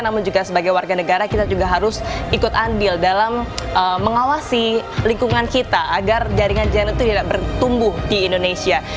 namun juga sebagai warga negara kita juga harus ikut andil dalam mengawasi lingkungan kita agar jaringan jaringan itu tidak bertumbuh di indonesia